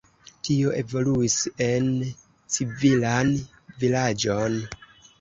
Tio evoluis en civilan vilaĝon.